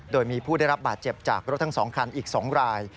โดยมีผู้ได้รับบาดเจ็บจากรถทั้ง๒คันอีก๒ราย